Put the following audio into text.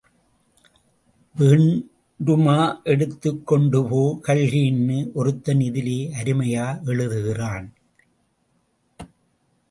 வேண்டுமா எடுத்துக் கொண்டு போ, கல்கி ன்னு ஒருத்தன் இதிலே அருமையா எழுதுகிறான்.